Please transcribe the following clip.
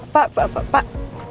pak pak pak